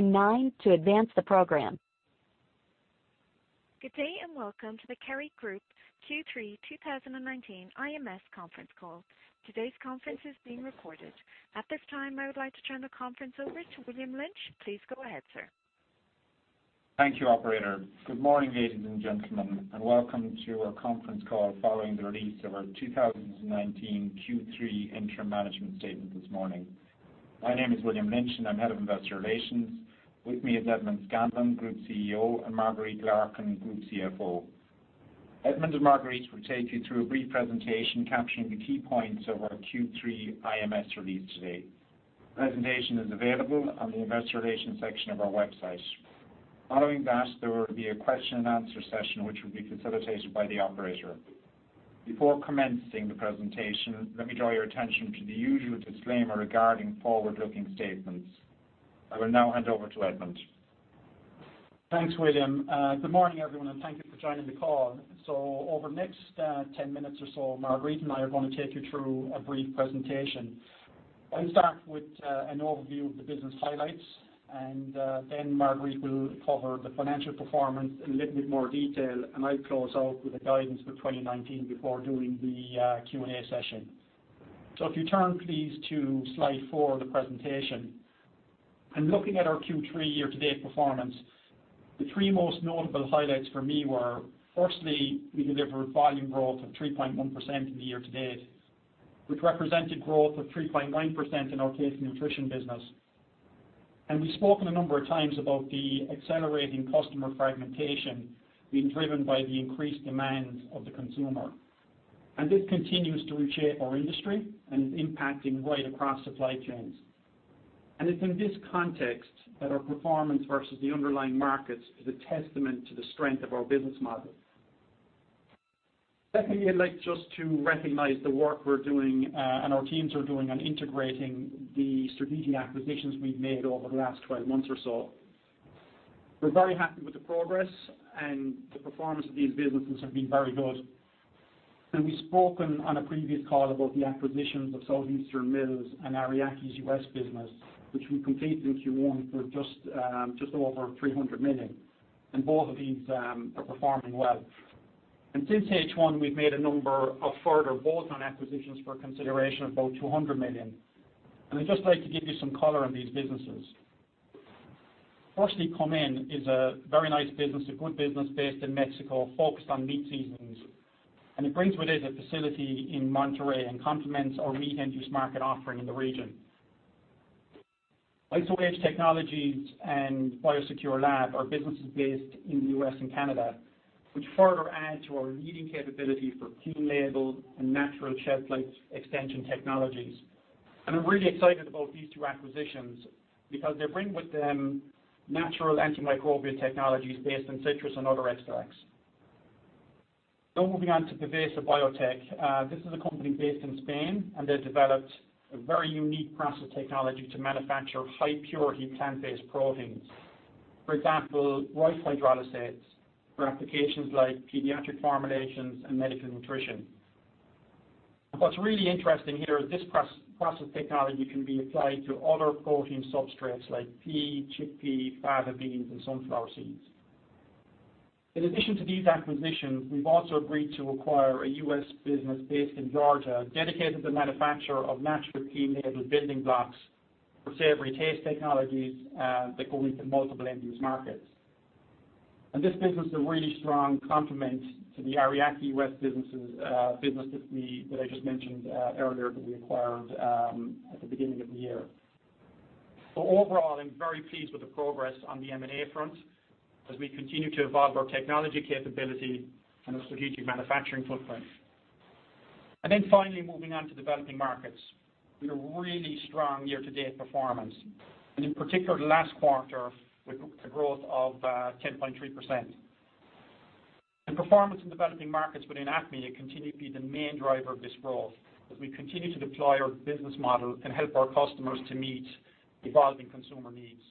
Nine to advance the program. Good day. Welcome to the Kerry Group Q3 2019 IMS conference call. Today's conference is being recorded. At this time, I would like to turn the conference over to William Lynch. Please go ahead, sir. Thank you, operator. Good morning, ladies and gentlemen, and welcome to our conference call following the release of our 2019 Q3 Interim Management Statement this morning. My name is William Lynch, and I'm Head of Investor Relations. With me is Edmond Scanlon, Group CEO, and Marguerite Larkin, Group CFO. Edmond and Marguerite will take you through a brief presentation capturing the key points of our Q3 IMS release today. The presentation is available on the Investor Relations section of our website. Following that, there will be a Q&A session, which will be facilitated by the operator. Before commencing the presentation, let me draw your attention to the usual disclaimer regarding forward-looking statements. I will now hand over to Edmond. Thanks, William. Good morning, everyone, and thank you for joining the call. Over the next 10 minutes or so, Marguerite and I are going to take you through a brief presentation. I'll start with an overview of the business highlights, then Marguerite will cover the financial performance in a little bit more detail, I'll close out with the guidance for 2019 before doing the Q&A session. If you turn, please, to slide four of the presentation. In looking at our Q3 year-to-date performance, the three most notable highlights for me were, firstly, we delivered volume growth of 3.1% in the year-to-date, which represented growth of 3.9% in our Taste & Nutrition business. We've spoken a number of times about the accelerating customer fragmentation being driven by the increased demands of the consumer. This continues to reshape our industry and is impacting right across supply chains. It's in this context that our performance versus the underlying markets is a testament to the strength of our business model. Secondly, I'd like just to recognize the work we're doing, and our teams are doing on integrating the strategic acquisitions we've made over the last 12 months or so. We're very happy with the progress, and the performance of these businesses have been very good. We've spoken on a previous call about the acquisitions of Southeastern Mills and Ariake's U.S. business, which we completed in Q1 for just over 300 million. Both of these are performing well. Since H1, we've made a number of further bolt-on acquisitions for consideration of about 200 million. I'd just like to give you some color on these businesses. Firstly, Comen is a very nice business, a good business based in Mexico focused on meat seasonings. It brings with it a facility in Monterrey and complements our meat end-use market offering in the region. IsoAge Technologies and Biosecur Lab are businesses based in the U.S. and Canada, which further add to our leading capability for clean label and natural shelf life extension technologies. I'm really excited about these two acquisitions because they bring with them natural antimicrobial technologies based on citrus and other extracts. Moving on to Pevesa Biotech. This is a company based in Spain, and they've developed a very unique process technology to manufacture high-pure plant-based proteins. For example, rice hydrolysates for applications like pediatric formulations and medical nutrition. What's really interesting here is this process technology can be applied to other protein substrates like pea, chickpea, fava beans, and sunflower seeds. In addition to these acquisitions, we've also agreed to acquire a U.S. business based in Georgia dedicated to manufacture of natural clean label building blocks for savory taste technologies that go into multiple end-use markets. This business is a really strong complement to the Ariake U.S. business that I just mentioned earlier that we acquired at the beginning of the year. Overall, I'm very pleased with the progress on the M&A front as we continue to evolve our technology capability and our strategic manufacturing footprint. Finally, moving on to developing markets. We had a really strong year-to-date performance, and in particular, the last quarter with the growth of 10.3%. Performance in developing markets within APMEA continue to be the main driver of this growth as we continue to deploy our business model and help our customers to meet evolving consumer needs.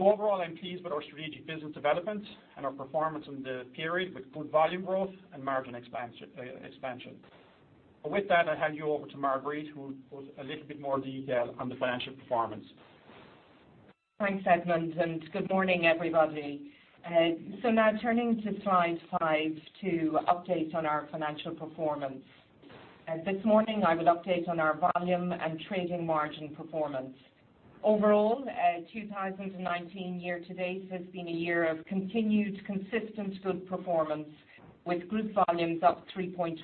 Overall, I'm pleased with our strategic business development and our performance in the period with good volume growth and margin expansion. With that, I'll hand you over to Marguerite, who has a little bit more detail on the financial performance. Thanks, Edmond, good morning, everybody. Now turning to slide five to update on our financial performance. This morning, I will update on our volume and trading margin performance. Overall, 2019 year to date has been a year of continued consistent good performance with group volumes up 3.1%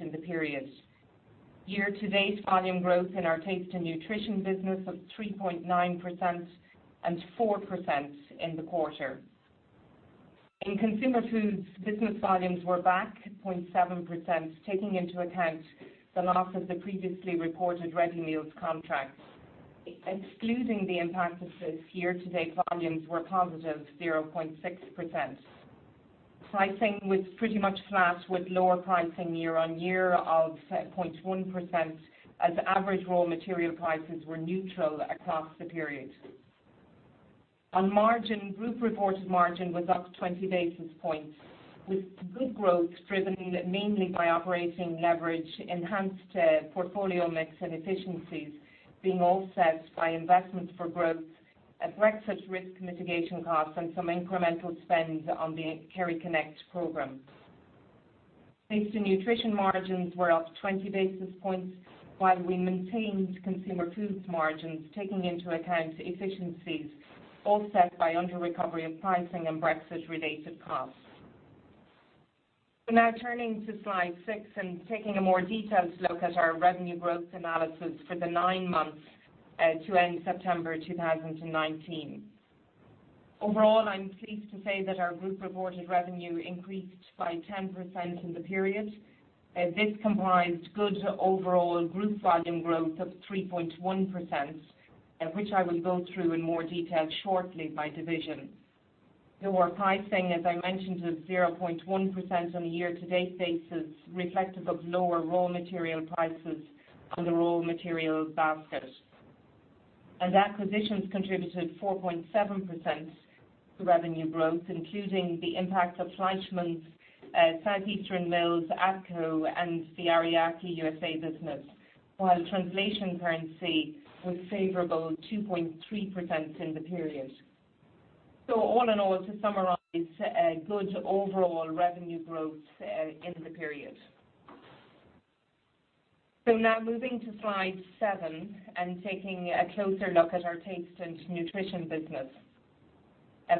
in the period. Year-to-date volume growth in our Taste & Nutrition business of 3.9% and 4% in the quarter. In Consumer Foods, business volumes were back 0.7%, taking into account the loss of the previously reported ready meals contracts. Excluding the impact of this, year-to-date volumes were positive, 0.6%. Pricing was pretty much flat with lower pricing year on year of 0.1% as average raw material prices were neutral across the period. On margin, group reported margin was up 20 basis points with good growth driven mainly by operating leverage, enhanced portfolio mix and efficiencies being offset by investments for growth and Brexit risk mitigation costs, and some incremental spend on the KerryConnect program. Taste & Nutrition margins were up 20 basis points while we maintained Consumer Foods margins, taking into account efficiencies offset by under recovery of pricing and Brexit related costs. Now turning to slide six and taking a more detailed look at our revenue growth analysis for the nine months to end September 2019. Overall, I'm pleased to say that our group reported revenue increased by 10% in the period. This comprised good overall group volume growth of 3.1%, which I will go through in more detail shortly by division. Lower pricing, as I mentioned, was 0.1% on a year-to-date basis, reflective of lower raw material prices on the raw material basket. Acquisitions contributed 4.7% to revenue growth, including the impact of Fleischmann's, Southeastern Mills, AATCO, and the Ariake USA business, while translation currency was favorable 2.3% in the period. All in all, to summarize, good overall revenue growth in the period. Now moving to slide seven and taking a closer look at our Taste & Nutrition business.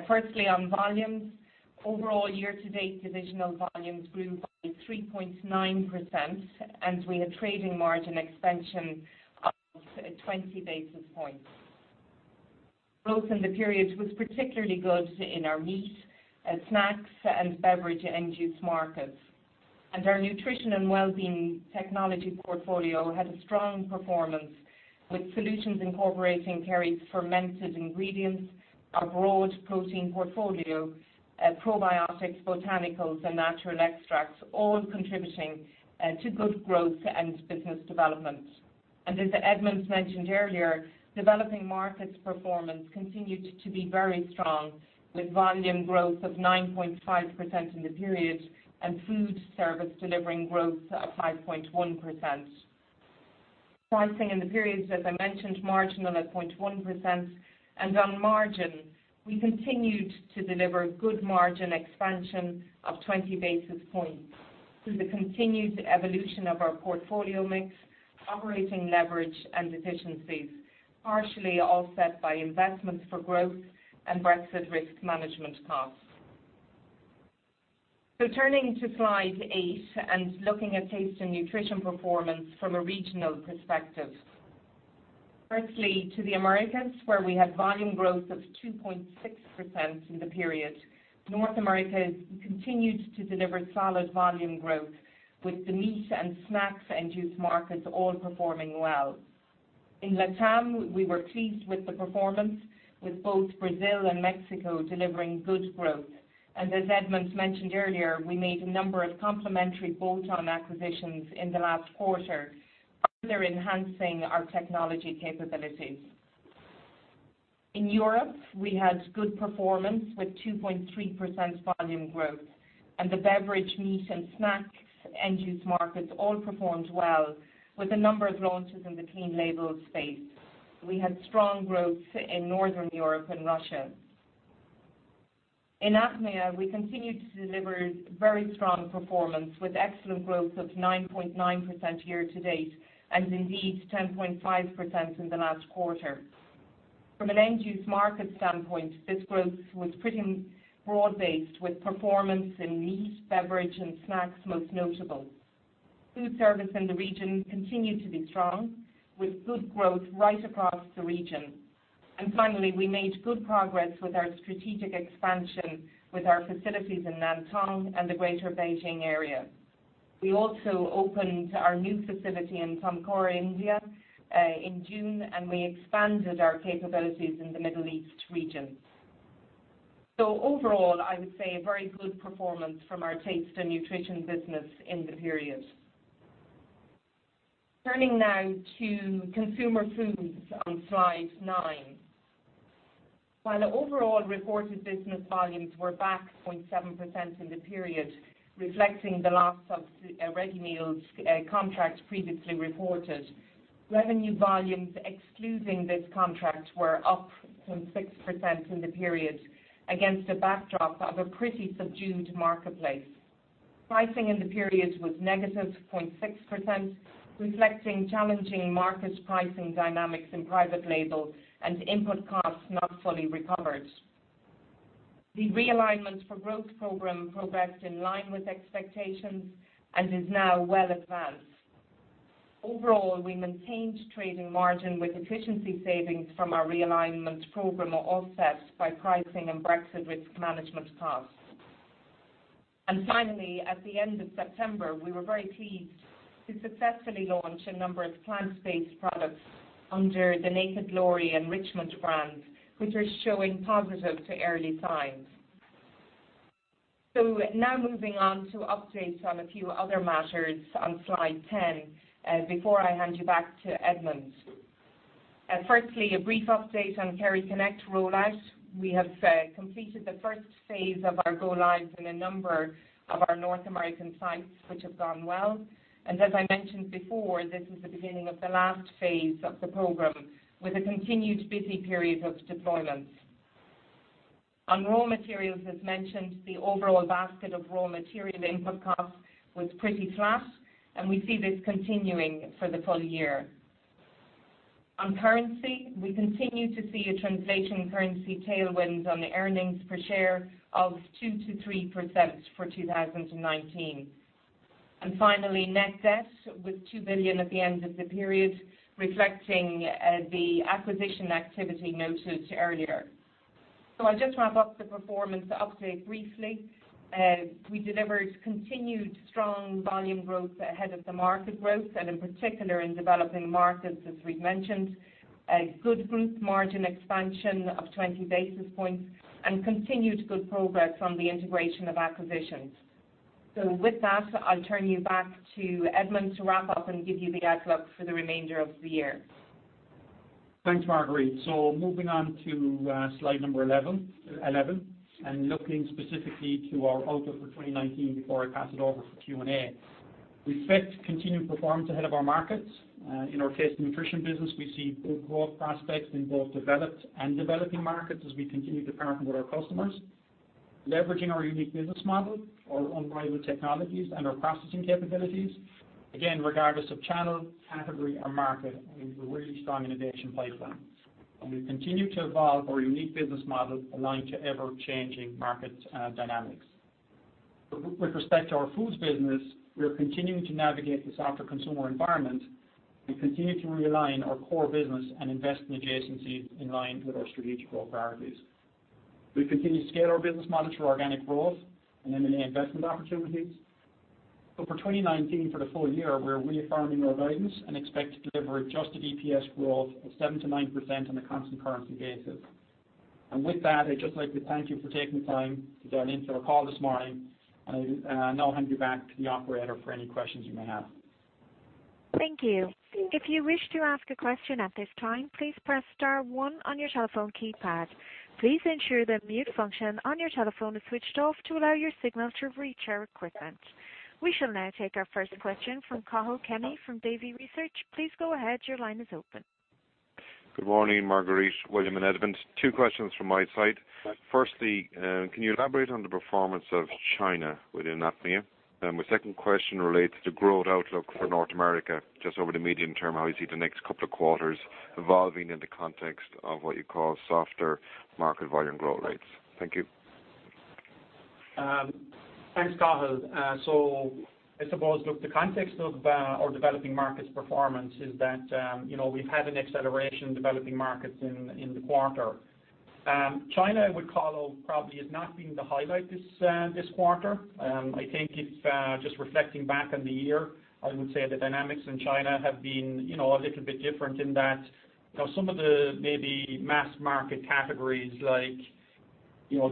Firstly, on volumes. Overall year-to-date, divisional volumes grew by 3.9%, and we had trading margin expansion of 20 basis points. Growth in the period was particularly good in our meat, snacks, and beverage end-use markets. Our nutrition and wellbeing technology portfolio had a strong performance with solutions incorporating Kerry's fermented ingredients, our broad protein portfolio, probiotics, botanicals, and natural extracts, all contributing to good growth and business development. As Edmond mentioned earlier, developing markets performance continued to be very strong, with volume growth of 9.5% in the period and food service delivering growth of 5.1%. Pricing in the period, as I mentioned, marginal at 0.1%. On margin, we continued to deliver good margin expansion of 20 basis points through the continued evolution of our portfolio mix, operating leverage, and efficiencies, partially offset by investments for growth and Brexit risk management costs. Turning to slide eight and looking at Taste & Nutrition performance from a regional perspective. Firstly, to the Americas, where we had volume growth of 2.6% in the period. North America continued to deliver solid volume growth with the meat and snacks end-use markets all performing well. In LATAM, we were pleased with the performance, with both Brazil and Mexico delivering good growth. As Edmond mentioned earlier, we made a number of complementary bolt-on acquisitions in the last quarter, further enhancing our technology capabilities. In Europe, we had good performance with 2.3% volume growth, and the beverage, meat, and snack end-use markets all performed well with a number of launches in the clean label space. We had strong growth in Northern Europe and Russia. In APMEA, we continued to deliver very strong performance with excellent growth of 9.9% year to date and indeed 10.5% in the last quarter. From an end-use market standpoint, this growth was pretty broad-based with performance in meat, beverage, and snacks most notable. Food service in the region continued to be strong with good growth right across the region. Finally, we made good progress with our strategic expansion with our facilities in Nantong and the greater Beijing area. We also opened our new facility in Tumkur, India in June, and we expanded our capabilities in the Middle East region. Overall, I would say a very good performance from our Taste & Nutrition business in the period. Turning now to Consumer Foods on slide nine. While the overall reported business volumes were back 0.7% in the period, reflecting the loss of ready meals contracts previously reported, revenue volumes excluding this contract were up some 6% in the period against a backdrop of a pretty subdued marketplace. Pricing in the period was negative 0.6%, reflecting challenging market pricing dynamics in private label and input costs not fully recovered. The Realignment for Growth Program progressed in line with expectations and is now well advanced. Overall, we maintained trading margin with efficiency savings from our Realignment Program offset by pricing and Brexit risk management costs. Finally, at the end of September, we were very pleased to successfully launch a number of plant-based products under the Naked Glory and Richmond brands, which are showing positive early signs. Now moving on to updates on a few other matters on slide 10, before I hand you back to Edmond. Firstly, a brief update on KerryConnect rollout. We have completed the first phase of our go lives in a number of our North American sites, which have gone well. As I mentioned before, this is the beginning of the last phase of the program, with a continued busy period of deployments. On raw materials, as mentioned, the overall basket of raw material input costs was pretty flat, and we see this continuing for the full year. On currency, we continue to see a translation currency tailwind on earnings per share of 2%-3% for 2019. Finally, net debt with 2 billion at the end of the period, reflecting the acquisition activity noted earlier. I'll just wrap up the performance update briefly. We delivered continued strong volume growth ahead of the market growth and in particular in developing markets, as we've mentioned. A good group margin expansion of 20 basis points and continued good progress on the integration of acquisitions. With that, I'll turn you back to Edmond to wrap up and give you the outlook for the remainder of the year. Thanks, Marguerite. Moving on to slide 11 and looking specifically to our outlook for 2019 before I pass it over for Q&A. We expect continued performance ahead of our markets. In our Taste & Nutrition business, we see good growth prospects in both developed and developing markets as we continue to partner with our customers. Leveraging our unique business model, our unrivaled technologies, and our processing capabilities. Again, regardless of channel, category, or market, we have a really strong innovation pipeline, and we continue to evolve our unique business model aligned to ever-changing market dynamics. With respect to our Foods business, we are continuing to navigate the softer consumer environment. We continue to realign our core business and invest in adjacencies in line with our strategic growth priorities. We continue to scale our business model through organic growth and M&A investment opportunities. For 2019, for the full year, we're reaffirming our guidance and expect to deliver adjusted EPS growth of 7%-9% on a constant currency basis. With that, I'd just like to thank you for taking the time to dial into our call this morning, and I'll now hand you back to the operator for any questions you may have. Thank you. If you wish to ask a question at this time, please press star one on your telephone keypad. Please ensure the mute function on your telephone is switched off to allow your signal to reach our equipment. We shall now take our first question from Cathal Kenny from Davy Research. Please go ahead. Your line is open. Good morning, Marguerite, William, and Edmond. Two questions from my side. Firstly, can you elaborate on the performance of China within APMEA? My second question relates to growth outlook for North America, just over the medium term, how you see the next couple of quarters evolving in the context of what you call softer market volume growth rates. Thank you. Thanks, Cathal. I suppose, look, the context of our developing markets' performance is that we've had an acceleration in developing markets in the quarter. China, I would call, probably has not been the highlight this quarter. I think it's just reflecting back on the year, I would say the dynamics in China have been a little bit different in that some of the maybe mass market categories like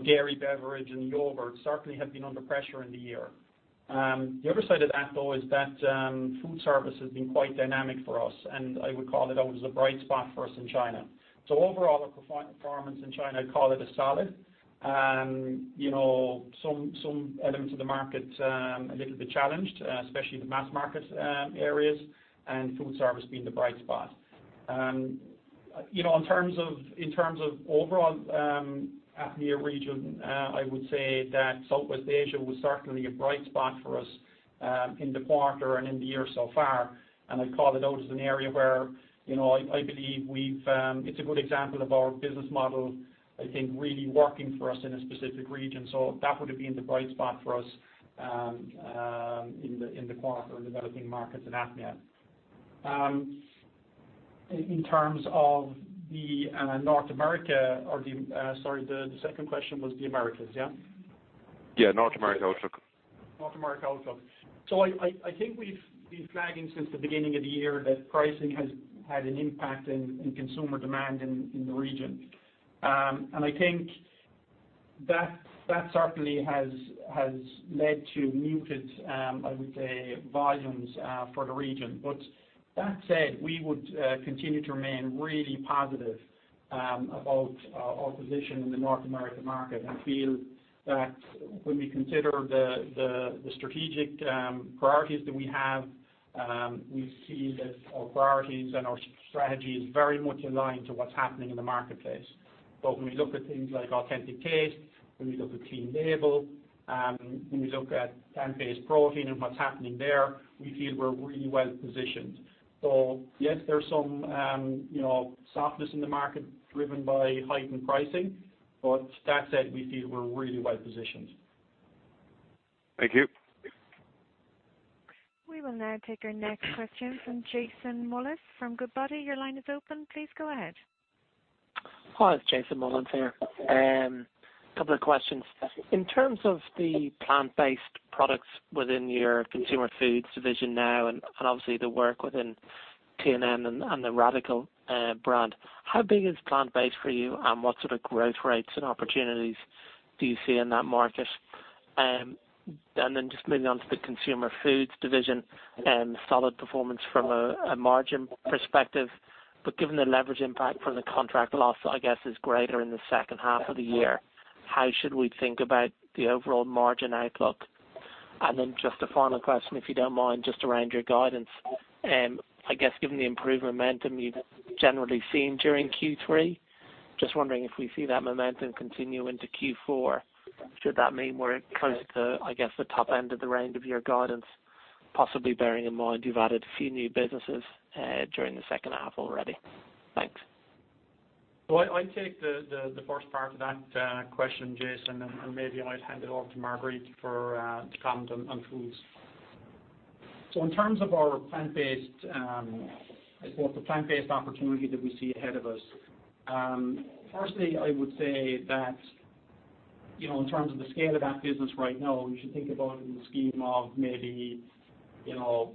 dairy beverage and yogurt certainly have been under pressure in the year. The other side of that, though, is that food service has been quite dynamic for us, and I would call it out as a bright spot for us in China. Overall, our performance in China, I'd call it a solid. Some elements of the market a little bit challenged, especially the mass market areas, and food service being the bright spot. In terms of overall APMEA region, I would say that Southeast Asia was certainly a bright spot for us in the quarter and in the year so far, and I'd call it out as an area where I believe it's a good example of our business model, I think, really working for us in a specific region. That would have been the bright spot for us in the quarter in developing markets in APMEA. In terms of North America or the second question was the Americas, yeah? Yeah, North America outlook. North America outlook. I think we've been flagging since the beginning of the year that pricing has had an impact in consumer demand in the region. I think that certainly has led to muted, I would say, volumes for the region. That said, we would continue to remain really positive about our position in the North American market and feel that when we consider the strategic priorities that we have, we see that our priorities and our strategy is very much aligned to what's happening in the marketplace. When we look at things like authentic taste, when we look at clean label, when we look at plant-based protein and what's happening there, we feel we're really well positioned. Yes, there's some softness in the market driven by heightened pricing. That said, we feel we're really well positioned. Thank you. We will now take our next question from Jason Molins from Goodbody. Your line is open. Please go ahead. Hi, it's Jason Molins here. Couple of questions. In terms of the plant-based products within your Consumer Foods division now and obviously the work within. T&N and the Radicle brand, how big is plant-based for you and what sort of growth rates and opportunities do you see in that market? Then just moving on to the Consumer Foods division, solid performance from a margin perspective, but given the leverage impact from the contract loss, I guess is greater in the second half of the year. How should we think about the overall margin outlook? Then just a final question, if you don't mind, just around your guidance. I guess given the improved momentum you've generally seen during Q3, just wondering if we see that momentum continue into Q4. Should that mean we're close to, I guess, the top end of the range of your guidance, possibly bearing in mind you've added a few new businesses during the second half already. Thanks. I'll take the first part of that question, Jason, and maybe I'll hand it over to Marguerite to comment on Consumer Foods. In terms of the plant-based opportunity that we see ahead of us, firstly, I would say that in terms of the scale of that business right now, you should think about it in the scheme of maybe between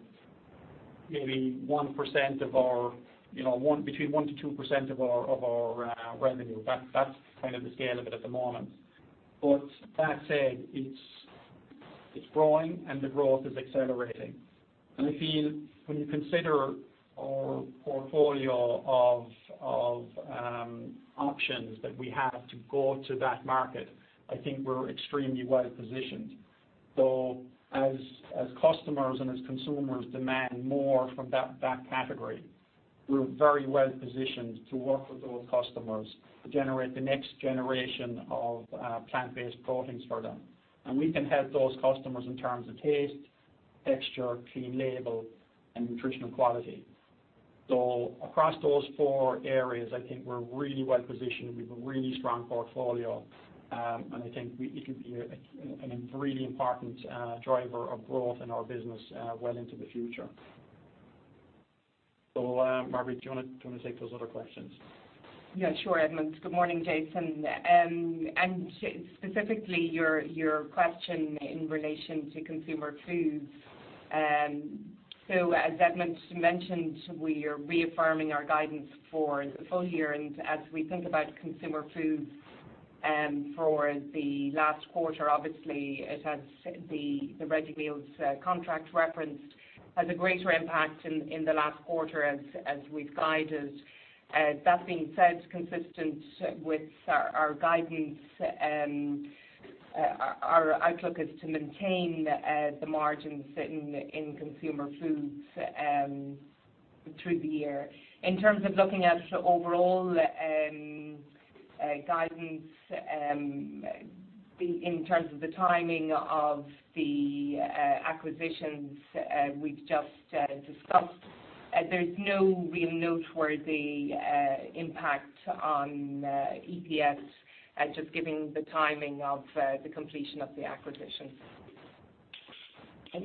1%-2% of our revenue. That's kind of the scale of it at the moment. That said, it's growing and the growth is accelerating. I feel when you consider our portfolio of options that we have to go to that market, I think we're extremely well positioned. As customers and as consumers demand more from that category, we're very well positioned to work with those customers to generate the next generation of plant-based proteins for them. We can help those customers in terms of taste, texture, clean label and nutritional quality. Across those four areas, I think we're really well positioned with a really strong portfolio. I think it could be a really important driver of growth in our business well into the future. Marguerite, do you want to take those other questions? Yeah, sure Edmond. Good morning, Jason. Specifically your question in relation to Consumer Foods. As Edmond mentioned, we are reaffirming our guidance for the full year. As we think about Consumer Foods for the last quarter, obviously, it has the Ready Meals contract referenced has a greater impact in the last quarter as we've guided. That being said, consistent with our guidance, our outlook is to maintain the margins in Consumer Foods through the year. In terms of looking at overall guidance, in terms of the timing of the acquisitions we've just discussed, there's no real noteworthy impact on EPS, just giving the timing of the completion of the acquisition.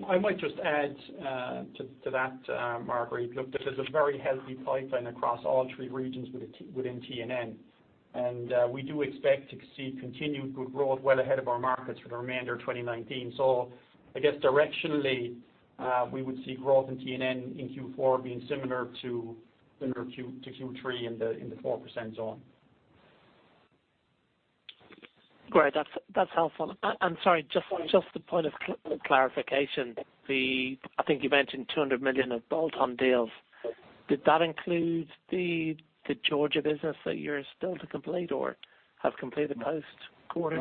I might just add to that, Marguerite. Look, this is a very healthy pipeline across all three regions within T&N, and we do expect to see continued good growth well ahead of our markets for the remainder of 2019. I guess directionally, we would see growth in T&N in Q4 being similar to Q3 in the 4% zone. Great. That's helpful. I'm sorry, just a point of clarification. I think you mentioned 200 million of bolt-on deals. Did that include the Georgia business that you're still to complete or have completed post-quarter?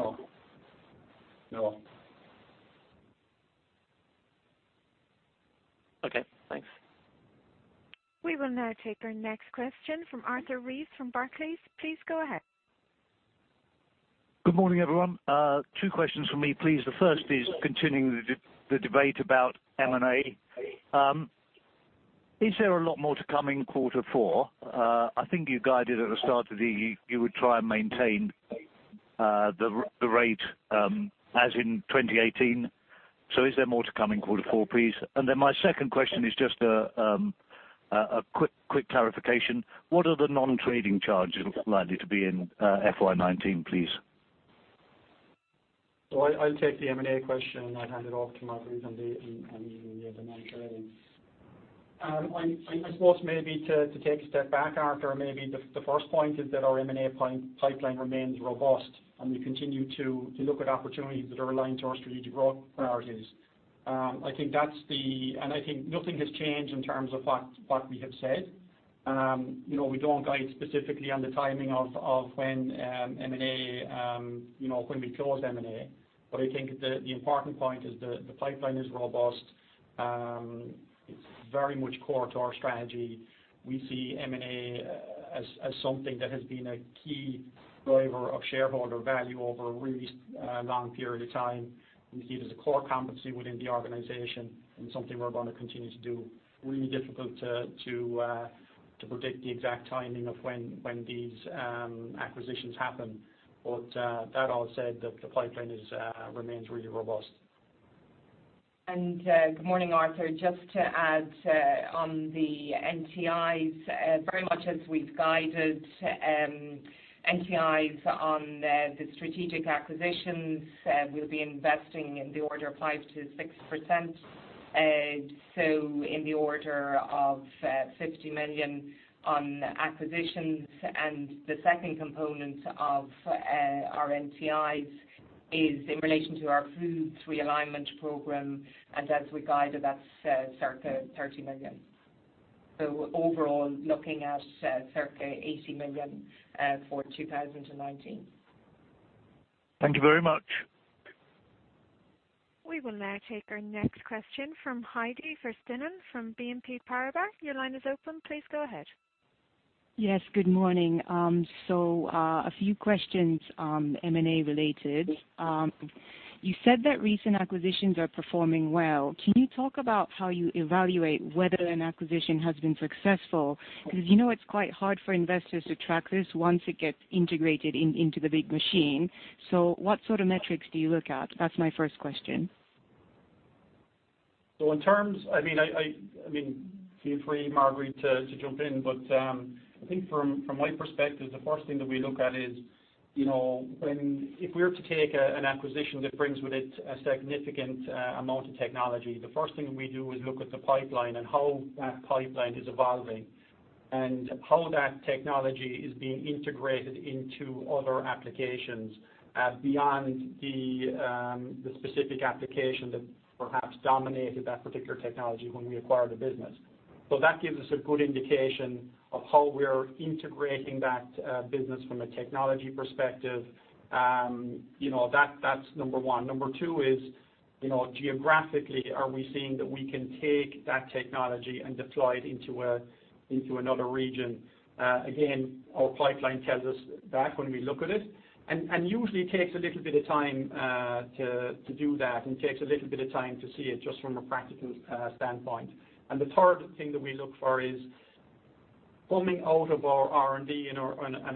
No. Okay, thanks. We will now take our next question from Arthur Reeves from Barclays. Please go ahead. Good morning, everyone. Two questions from me, please. The first is continuing the debate about M&A. Is there a lot more to come in quarter four? I think you guided at the start of the year you would try and maintain the rate as in 2018. Is there more to come in quarter four, please? My second question is just a quick clarification. What are the non-trading charges likely to be in FY 2019, please? I'll take the M&A question and I'll hand it off to Marguerite on the other non-trading. I suppose maybe to take a step back, Arthur, maybe the first point is that our M&A pipeline remains robust and we continue to look at opportunities that are aligned to our strategic growth priorities. I think nothing has changed in terms of what we have said. We don't guide specifically on the timing of when we close M&A, but I think the important point is the pipeline is robust. It's very much core to our strategy. We see M&A as something that has been a key driver of shareholder value over a really long period of time. We see it as a core competency within the organization and something we're going to continue to do. Really difficult to predict the exact timing of when these acquisitions happen. That all said, the pipeline remains really robust. Good morning, Arthur. Just to add on the NTIs. Very much as we've guided NTIs on the strategic acquisitions, we'll be investing in the order of 5%-6%. In the order of 50 million on acquisitions, and the second component of our NTIs is in relation to our Foods realignment program, and as we guided, that's circa 30 million. Overall, looking at circa 80 million for 2019. Thank you very much. We will now take our next question from Heidi Vesterinen from BNP Paribas. Your line is open. Please go ahead. Yes, good morning. A few questions, M&A related. You said that recent acquisitions are performing well. Can you talk about how you evaluate whether an acquisition has been successful? You know it's quite hard for investors to track this once it gets integrated into the big machine. What sort of metrics do you look at? That's my first question. In terms, feel free, Marguerite, to jump in. I think from my perspective, the first thing that we look at is, if we were to take an acquisition that brings with it a significant amount of technology, the first thing we do is look at the pipeline and how that pipeline is evolving and how that technology is being integrated into other applications, beyond the specific application that perhaps dominated that particular technology when we acquired the business. That gives us a good indication of how we're integrating that business from a technology perspective. That's number 1. Number 2 is, geographically, are we seeing that we can take that technology and deploy it into another region? Again, our pipeline tells us that when we look at it, and usually it takes a little bit of time to do that, and it takes a little bit of time to see it just from a practical standpoint. The third thing that we look for is coming out of our R&D and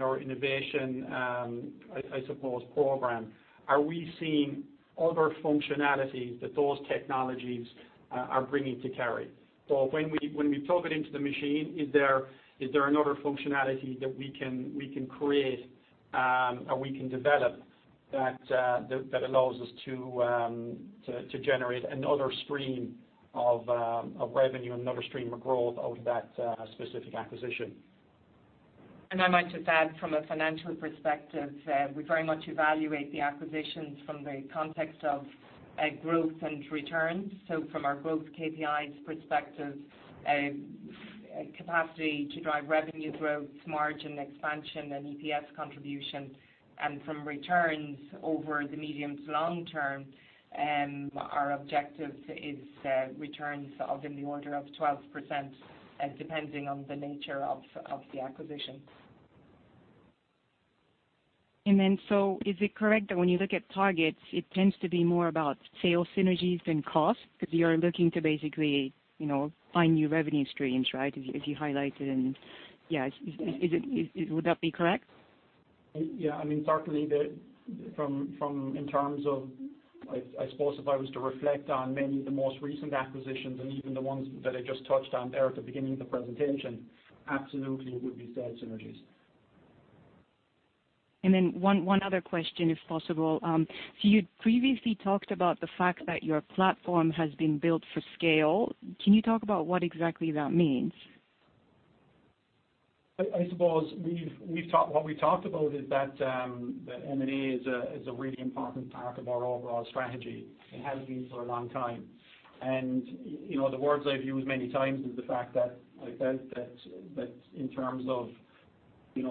our innovation, I suppose, program. Are we seeing other functionalities that those technologies are bringing to Kerry? When we plug it into the machine, is there another functionality that we can create, or we can develop that allows us to generate another stream of revenue, another stream of growth out of that specific acquisition? I might just add from a financial perspective, we very much evaluate the acquisitions from the context of growth and returns. From our growth KPIs perspective, capacity to drive revenue growth, margin expansion, and EPS contribution, and from returns over the medium to long term, our objective is returns of in the order of 12%, depending on the nature of the acquisition. Is it correct that when you look at targets, it tends to be more about sales synergies than cost because you're looking to basically find new revenue streams, right? As you highlighted. Would that be correct? Yeah, certainly in terms of, I suppose if I was to reflect on many of the most recent acquisitions and even the ones that I just touched on there at the beginning of the presentation, absolutely it would be sales synergies. One other question, if possible. You previously talked about the fact that your platform has been built for scale. Can you talk about what exactly that means? I suppose what we talked about is that M&A is a really important part of our overall strategy. It has been for a long time. The words I've used many times is the fact that in terms of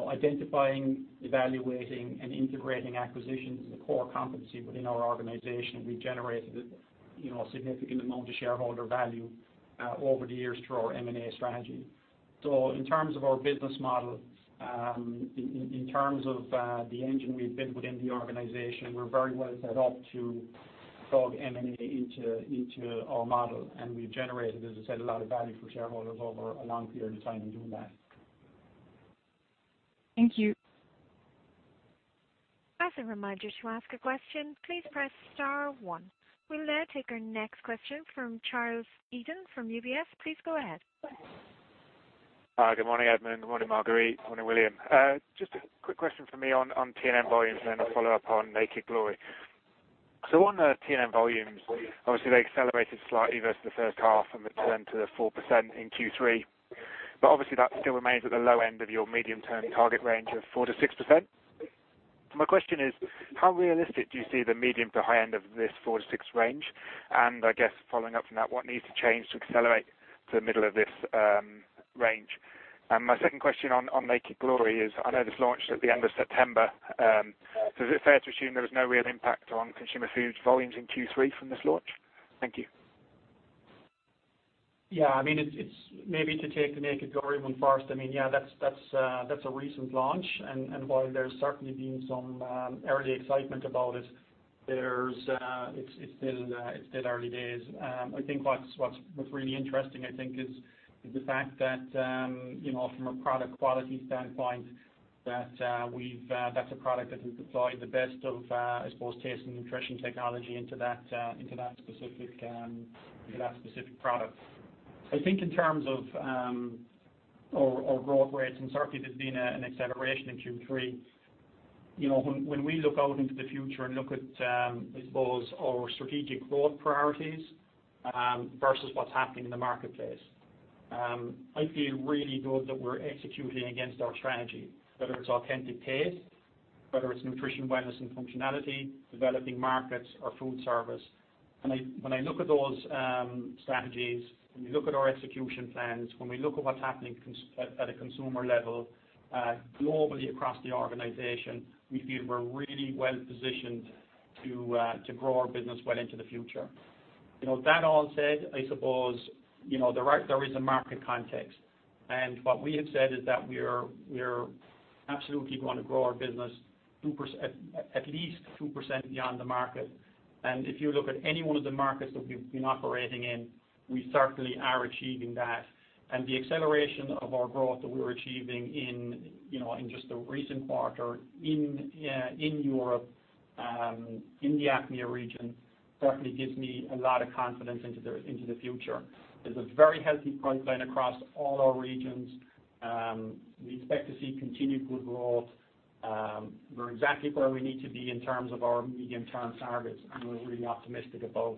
identifying, evaluating, and integrating acquisitions is a core competency within our organization. We've generated a significant amount of shareholder value over the years through our M&A strategy. In terms of our business model, in terms of the engine we've built within the organization, we're very well set up to plug M&A into our model. We've generated, as I said, a lot of value for shareholders over a long period of time in doing that. Thank you. As a reminder, to ask a question, please press star one. We'll now take our next question from Charles Eden from UBS. Please go ahead. Hi, good morning, Edmond. Good morning, Marguerite. Good morning, William. Just a quick question from me on T&N volumes, and then a follow-up on Naked Glory. On the T&N volumes, obviously they accelerated slightly versus the first half and returned to 4% in Q3, but obviously that still remains at the low end of your medium-term target range of 4%-6%. My question is, how realistic do you see the medium to high end of this 4 to 6 range? I guess following up from that, what needs to change to accelerate to the middle of this range? My second question on Naked Glory is, I know this launched at the end of September. Is it fair to assume there was no real impact on Consumer Foods volumes in Q3 from this launch? Thank you. Yeah. Maybe to take the Naked Glory one first, yeah, that's a recent launch, and while there's certainly been some early excitement about it's still early days. I think what's really interesting, I think is the fact that, from a product quality standpoint, that's a product that we've deployed the best of, I suppose, Taste & Nutrition technology into that specific product. I think in terms of our growth rates, and certainly there's been an acceleration in Q3. When we look out into the future and look at, I suppose, our strategic growth priorities versus what's happening in the marketplace, I feel really good that we're executing against our strategy, whether it's authentic taste, whether it's nutrition, wellness and functionality, developing markets or foodservice. When I look at those strategies, when we look at our execution plans, when we look at what's happening at a consumer level globally across the organization, we feel we're really well-positioned to grow our business well into the future. That all said, I suppose, there is a market context. What we have said is that we absolutely want to grow our business at least 2% beyond the market. If you look at any one of the markets that we've been operating in, we certainly are achieving that. The acceleration of our growth that we're achieving in just the recent quarter in Europe, in the APMEA region, certainly gives me a lot of confidence into the future. There's a very healthy pipeline across all our regions. We expect to see continued good growth. We're exactly where we need to be in terms of our medium-term targets, and we're really optimistic about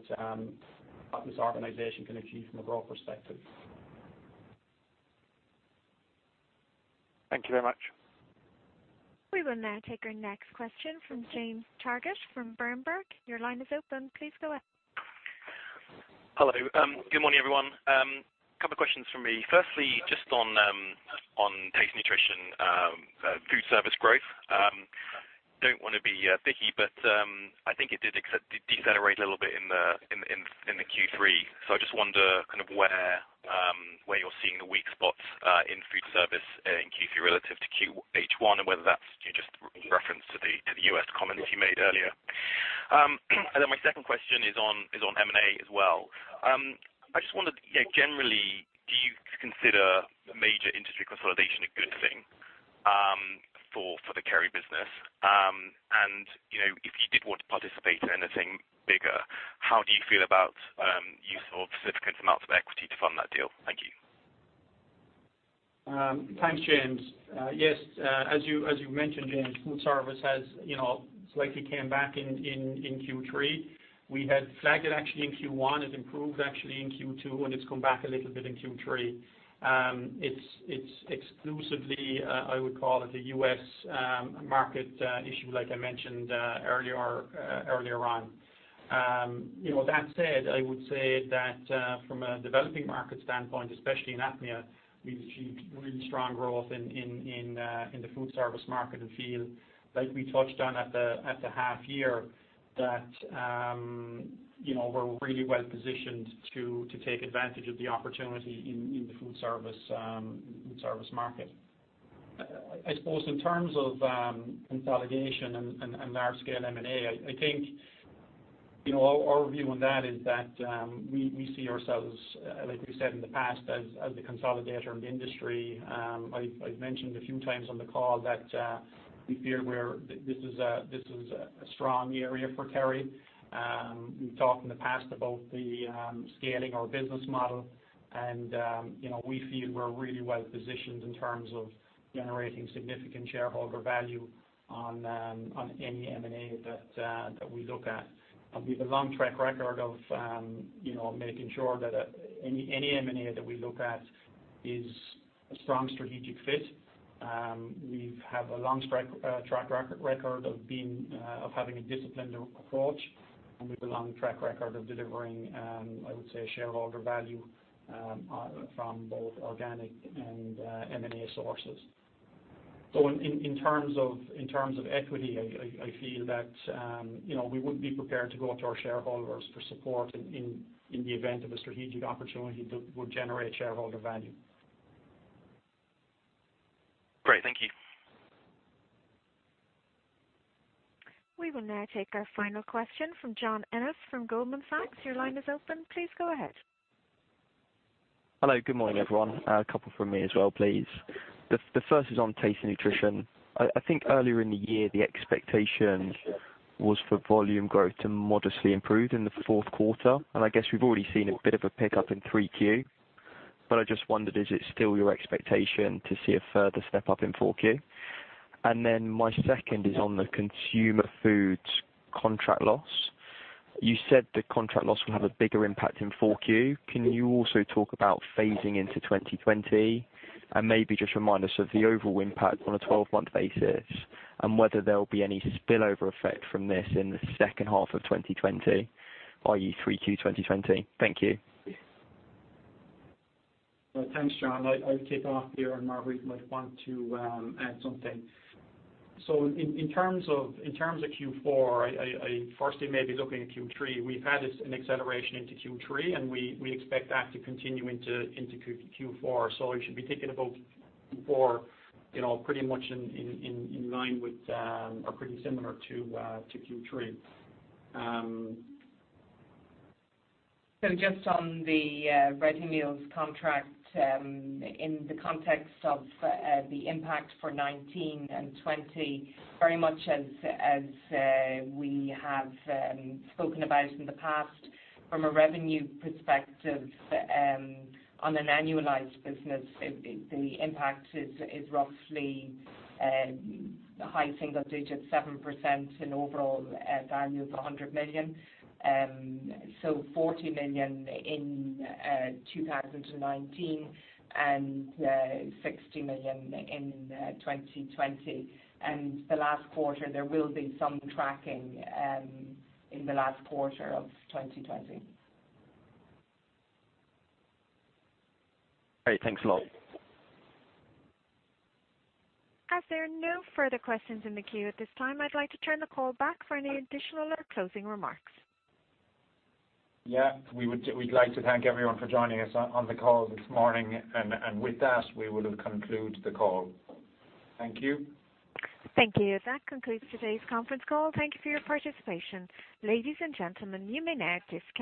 what this organization can achieve from a growth perspective. Thank you very much. We will now take our next question from James Targett from Berenberg. Your line is open. Please go ahead. Hello. Good morning, everyone. A couple questions from me. Just on Taste & Nutrition food service growth. Don't want to be picky, I think it did decelerate a little bit in the Q3. I just wonder where you're seeing the weak spots in food service in Q3 relative to H1, and whether that's just in reference to the U.S. comments you made earlier. My second question is on M&A as well. I just wondered, generally, do you consider major industry consolidation a good thing for the Kerry business? If you did want to participate in anything bigger, how do you feel about use of significant amounts of equity to fund that deal? Thank you. Thanks, James. Yes, as you mentioned, James, food service has slightly came back in Q3. We had flagged it actually in Q1. It improved actually in Q2. It's come back a little bit in Q3. It's exclusively, I would call it, a U.S. market issue, like I mentioned earlier on. That said, I would say that from a developing market standpoint, especially in APMEA, we've achieved really strong growth in the food service market and feel like we touched on at the half year that we're really well positioned to take advantage of the opportunity in the food service market. I suppose in terms of consolidation and large scale M&A, I think our view on that is that we see ourselves, like we've said in the past, as the consolidator of the industry. I've mentioned a few times on the call that we feel this is a strong area for Kerry. We've talked in the past about the scaling our business model, and we feel we're really well positioned in terms of generating significant shareholder value on any M&A that we look at. We have a long track record of making sure that any M&A that we look at is a strong strategic fit. We have a long track record of having a disciplined approach, and we have a long track record of delivering, I would say, shareholder value from both organic and M&A sources. In terms of equity, I feel that we would be prepared to go to our shareholders for support in the event of a strategic opportunity that would generate shareholder value. Great. Thank you. We will now take our final question from John Ennis from Goldman Sachs. Your line is open. Please go ahead. Hello. Good morning, everyone. A couple from me as well, please. The first is on Taste & Nutrition. I think earlier in the year, the expectation was for volume growth to modestly improve in the fourth quarter, I guess we've already seen a bit of a pickup in 3Q. I just wondered, is it still your expectation to see a further step up in 4Q? My second is on the Consumer Foods contract loss. You said the contract loss will have a bigger impact in 4Q. Can you also talk about phasing into 2020? Maybe just remind us of the overall impact on a 12-month basis and whether there'll be any spillover effect from this in the second half of 2020, i.e. 3Q 2020. Thank you. Thanks, John. I'll kick off here, and Marguerite might want to add something. In terms of Q4, firstly maybe looking at Q3, we've had an acceleration into Q3, and we expect that to continue into Q4. We should be thinking about Q4 pretty much in line with or pretty similar to Q3. Just on the ready meals contract, in the context of the impact for 2019 and 2020, very much as we have spoken about in the past, from a revenue perspective on an annualized business, the impact is roughly high single digit, 7% in overall at annual is 100 million. 40 million in 2019 and 60 million in 2020. The last quarter, there will be some tracking in the last quarter of 2020. Great. Thanks a lot. As there are no further questions in the queue at this time, I'd like to turn the call back for any additional or closing remarks. We'd like to thank everyone for joining us on the call this morning. With that, we will conclude the call. Thank you. Thank you. That concludes today's conference call. Thank you for your participation. Ladies and gentlemen, you may now disconnect.